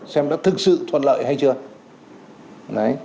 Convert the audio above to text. xem đã thực sự thuận lợi hay chưa